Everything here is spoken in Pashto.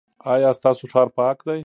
ایا ستاسو ښار پاک دی؟